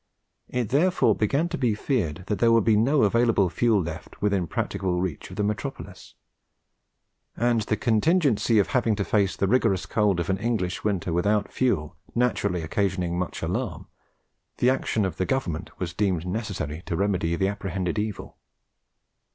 It therefore began to be feared that there would be no available fuel left within practicable reach of the metropolis; and the contingency of having to face the rigorous cold of an English winter without fuel naturally occasioning much alarm, the action of the Government was deemed necessary to remedy the apprehended evil.